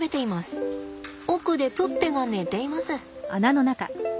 奥でプッペが寝ています。